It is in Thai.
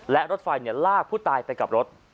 และรถไฟลากผู้ตายไปกับรถ